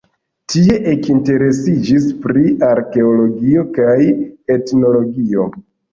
Tie ekinteresiĝis pri arkeologio kaj etnografio.